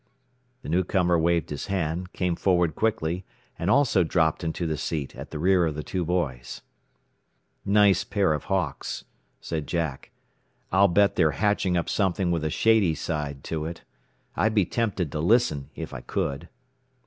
The newcomer waved his hand, came forward quickly, and also dropped into the seat at the rear of the two boys. "Nice pair of hawks," said Jack. "I'll bet they are hatching up something with a shady side to it. I'd be tempted to listen if I could."